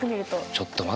ちょっと待って。